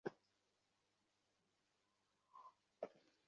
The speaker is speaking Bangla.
তিনি তাবরিজ ছেড়ে পালাতে বাধ্য হন।